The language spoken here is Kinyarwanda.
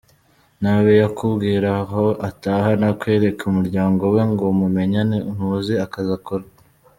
Ntabe yakubwira aho ataha, ntakwereke umuryango we ngo mumenyane, ntuzi akazi akora .